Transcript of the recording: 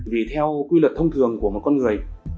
vì theo quy luật thông thường của một con người